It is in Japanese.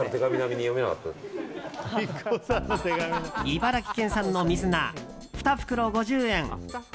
茨城県産の水菜２袋５０円。